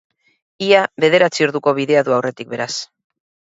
Ia bederatzi orduko bidea du aurretik, beraz.